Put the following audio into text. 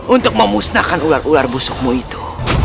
untuk memusnahkan ular ular busukmu itu